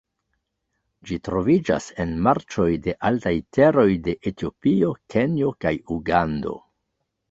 Ĝi troviĝas en marĉoj de altaj teroj de Etiopio, Kenjo kaj Ugando.